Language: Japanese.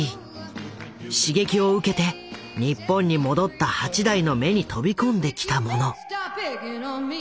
刺激を受けて日本に戻った八大の目に飛び込んできたもの。